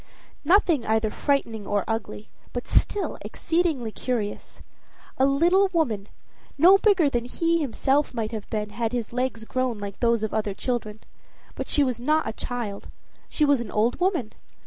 Nothing either frightening or ugly, but still exceedingly curious. A little woman, no bigger than he might himself have been had his legs grown like those of other children; but she was not a child she was an old woman.